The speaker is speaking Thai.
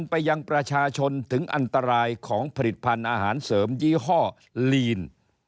ไปยังประชาชนถึงอันตรายของผลิตภัณฑ์อาหารเสริมยี่ห้อลีน